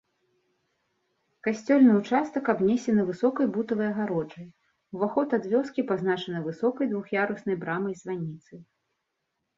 Касцёльны ўчастак абнесены высокай бутавай агароджай, уваход ад вёскі пазначаны высокай двух'яруснай брамай-званіцай.